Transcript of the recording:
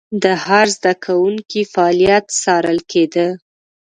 د هر زده کوونکي فعالیت څارل کېده.